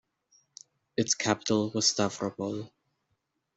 Its capital was Stavropol.